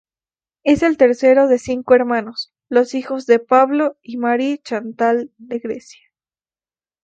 Es el tercero de cinco hermanos, los hijos de Pablo y Marie-Chantal de Grecia.